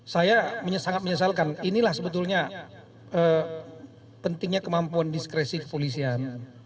saya sangat menyesalkan inilah sebetulnya pentingnya kemampuan diskresi kepolisian